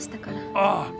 ああ。